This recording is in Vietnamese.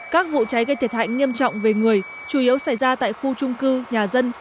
các vụ cháy gây thiệt hại nghiêm trọng về người chủ yếu xảy ra tại khu trung cư nhà dân